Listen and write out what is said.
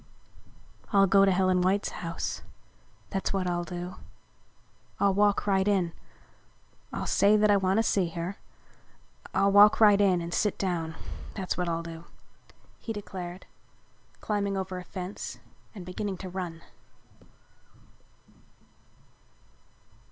"I'll go to Helen White's house, that's what I'll do. I'll walk right in. I'll say that I want to see her. I'll walk right in and sit down, that's what I'll do," he declared, climbing over a fence and beginning to run.